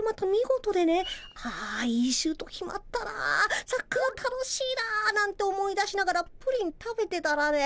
「あいいシュート決まったなサッカー楽しいな」なんて思い出しながらプリン食べてたらね